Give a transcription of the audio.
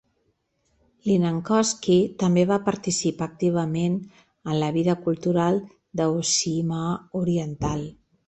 Linnankoski també va participar activament en la vida cultural de Uusimaa oriental.